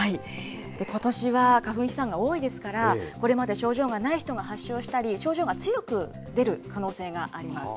ことしは花粉飛散が多いですから、これまで症状がない人が発症したり、症状が強く出る可能性があります。